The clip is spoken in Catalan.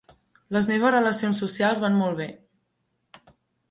Les meves relacions socials van molt bé.